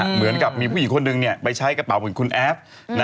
เหมือนกับมีผู้หญิงคนหนึ่งไปใช้กระเป๋าเหมือนคุณแอฟ